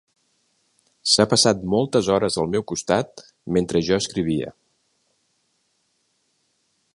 S'ha passat moltes hores al meu costat mentre jo escrivia.